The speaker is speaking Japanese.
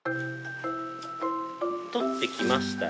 採ってきました。